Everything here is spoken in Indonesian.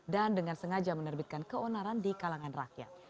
dan dengan sengaja menerbitkan keonaran di kalangan rakyat